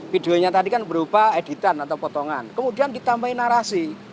videonya tadi kan berupa editan atau potongan kemudian ditambahin narasi